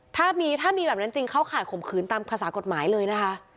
ถ้ามีแบบนั้นจริงเข้าข่ายข่มขืนตามภาษากฎหมายเลยนะคะ